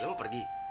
lu mau pergi